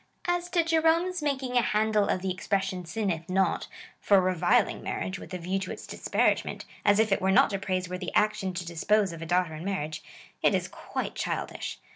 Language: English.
As to Jerome's making a handle of the expression sinneth not, for reviling marriage, with a view to its disparagement, as if it were not a praiseworthy action to dispose of a daughter in marriage, it is quite childish.